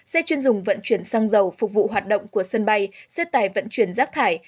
xe chuyên dùng vận chuyển xăng dầu phục vụ hoạt động của sân bay xe tải vận chuyển rác thải